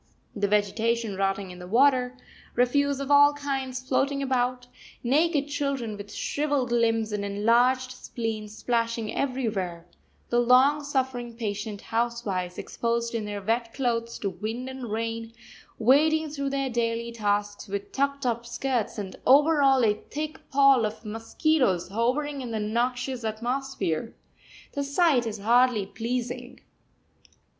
The vegetation rotting in the water, refuse of all kinds floating about, naked children with shrivelled limbs and enlarged spleens splashing everywhere, the long suffering patient housewives exposed in their wet clothes to wind and rain, wading through their daily tasks with tucked up skirts, and over all a thick pall of mosquitoes hovering in the noxious atmosphere the sight is hardly pleasing!